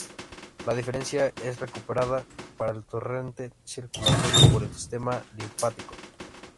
La diferencia es recuperada para el torrente circulatorio por el sistema linfático.